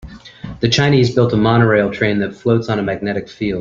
The Chinese built a monorail train that floats on a magnetic field.